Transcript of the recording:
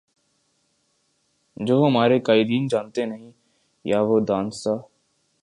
جو ہمارے قائدین جانتے نہیں یا وہ دانستہ